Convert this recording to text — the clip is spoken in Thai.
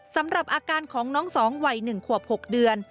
สำหรับอาการของน้อง๒วัย๑ขวบ๖เดือน